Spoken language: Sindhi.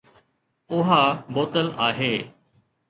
اها بوتل آهي